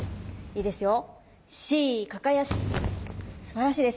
１いいですよ。